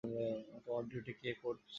তোমার ডিউটি কে করছে?